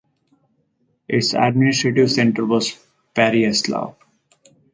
Its administrative centre was Pereyaslav.